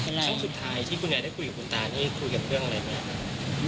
ช่วงสุดท้ายที่คุณยายได้คุยกับคุณตานี่คุยกับเรื่องอะไรไหมครับ